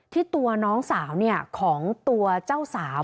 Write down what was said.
ที่ตัวน้องสาวของตัวเจ้าสาว